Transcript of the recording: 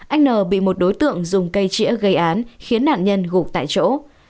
anh n bị một đối tượng dùng cây chĩa gây án khiến nạn nhân gục tại chỗ